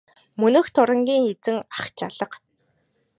Мөнөөх дурангийн эзэн ах ч алга.